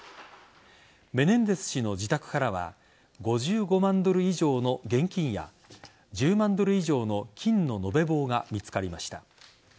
メネンデス氏の自宅からは５５万ドル以上の現金や１０万ドル以上の金の延べ棒が見つかりました。